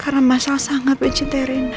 karena mas al sangat mencintai rena